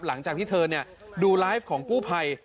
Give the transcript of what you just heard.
หลังจากที่เธอดูไลฟ์ของกู้ภัย